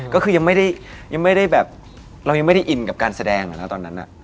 ก็คือยังไม่ได้แบบเรายังไม่ได้อินกับการแสดงอะนะตอนนั้น